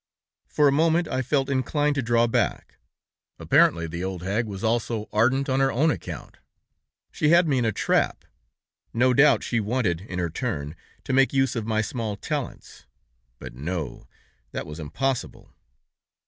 "For a moment I felt inclined to draw back. Apparently the old hag was also ardent on her own account! She had me in a trap! No doubt she wanted in her turn to make use of my small talents! But, no! That was impossible!